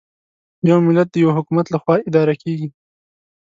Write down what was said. یو ملت د یوه حکومت له خوا اداره کېږي.